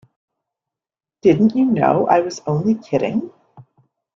Didn't you know I was only kidding?